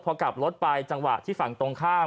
พอกลับรถไปจังหวะที่ฝั่งตรงข้าม